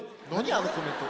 あのコメント。